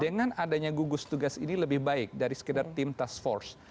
dengan adanya gugus tugas ini lebih baik dari sekedar tim task force